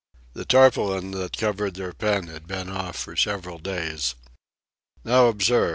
The tarpaulin that covered their pen had been off for several days. Now observe.